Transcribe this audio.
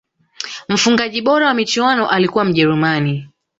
mfungaji bora wa michuano alikuwa mjerumani